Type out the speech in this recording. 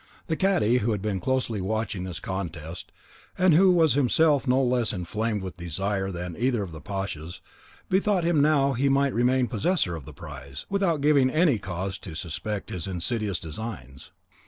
The cadi, who had been closely watching this contest, and who was himself no less inflamed with desire than either of the pashas, bethought him how he might remain possessor of the prize, without giving any cause to suspect his insidious designs.